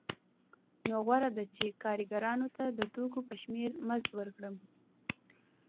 نو غوره ده چې کارګرانو ته د توکو په شمېر مزد ورکړم